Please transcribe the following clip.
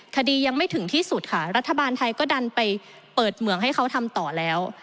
คดียังไม่ถึงที่สุดค่ะรัฐบาลไทยก็ดันไปเปิดเหมืองให้เขาทำต่อแล้ว